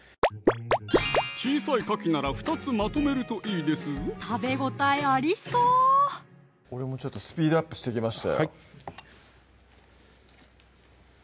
小さいかきなら２つまとめるといいですぞ食べ応えありそう俺もちょっとスピードアップしてきましたよ